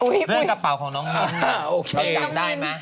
เรื่องกระเป๋าของน้องนี่น้องจับได้ไหม